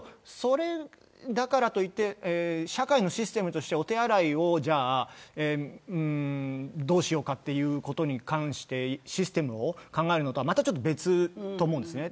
だからといって社会のシステムとしてお手洗いをどうしようかということに関してシステムを考えるのとは別だと思うんです。